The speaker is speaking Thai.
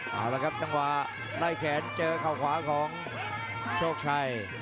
เอาละครับจังหวะไล่แขนเจอเข้าขวาของโชคชัย